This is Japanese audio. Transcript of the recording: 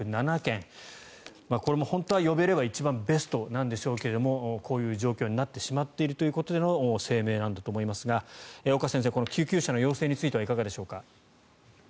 これも本当は呼べれば一番ベストなんでしょうけれどもこういう状況になってしまっているということでの声明なんだと思いますが岡先生この救急車の要請についてはいかがでしょうか。